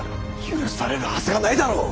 許されるはずがないだろう！